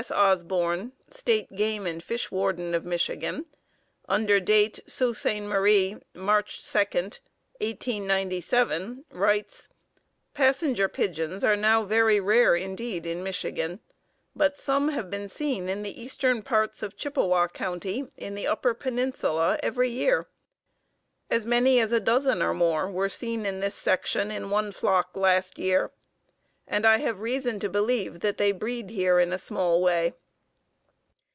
Osborn, State Game and Fish Warden of Michigan, under date, Sault Ste. Marie, March 2, 1897, writes: "Passenger Pigeons are now very rare indeed in Michigan, but some have been seen in the eastern parts of Chippewa County, in the upper peninsula, every year. As many as a dozen or more were seen in this section in one flock last year, and I have reason to believe that they breed here in a small way.